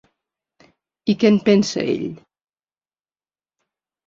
I què en pensa d’ell?